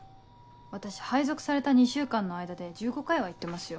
私配属された２週間の間で１５回は行ってますよ。